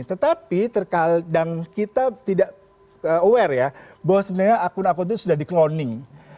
tetapi dan kita tidak aware ya bahwa sebenarnya akun akun itu sudah di cloning